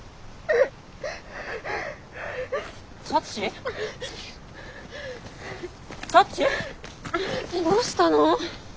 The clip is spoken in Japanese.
えどうしたの？